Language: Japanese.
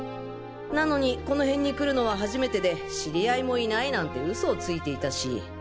なのに「この辺に来るのは初めてで知り合いもいない」なんてウソをついていたし。